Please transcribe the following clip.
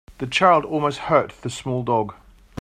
The child almost hurt the small dog.